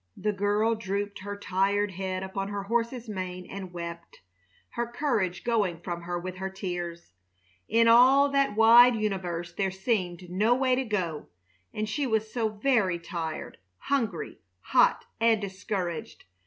The girl drooped her tired head upon her horse's mane and wept, her courage going from her with her tears. In all that wide universe there seemed no way to go, and she was so very tired, hungry, hot, and discouraged!